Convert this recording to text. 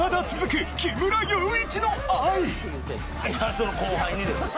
その後輩にですよ！